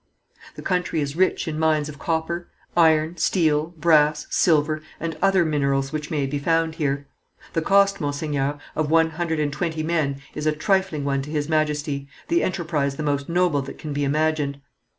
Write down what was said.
"The country is rich in mines of copper, iron, steel, brass, silver, and other minerals which may be found here. "The cost, monseigneur, of one hundred and twenty men is a trifling one to His Majesty, the enterprise the most noble that can be imagined.